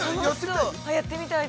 ◆やってみたい？